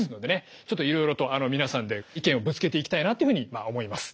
ちょっといろいろと皆さんで意見をぶつけていきたいなっていうふうに思います。